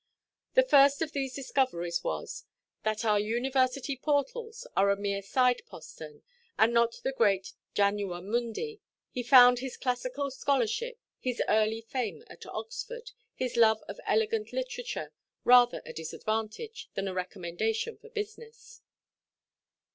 The first of these discoveries was, that our university portals are a mere side–postern, and not the great janua mundi. He found his classical scholarship, his early fame at Oxford, his love of elegant literature, rather a disadvantage than a recommendation for business.